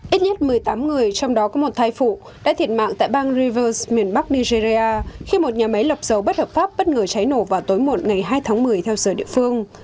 ít nhất một mươi tám người trong đó có một thai phụ đã thiệt mạng tại bang rivers miền bắc nigeria khi một nhà máy lập dầu bất hợp pháp bất ngờ cháy nổ vào tối một ngày hai tháng một mươi theo giờ địa phương